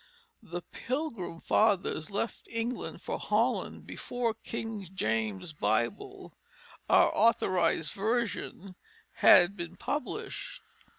The Pilgrim Fathers left England for Holland before King James' Bible, our Authorized Version, had been published.